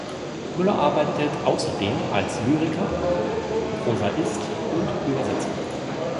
Müller arbeitet außerdem als Lyriker, Prosaist und Übersetzer.